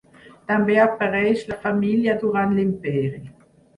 També apareix la família durant l'Imperi.